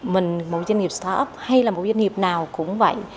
mình một doanh nghiệp start up hay là một doanh nghiệp nào cũng vậy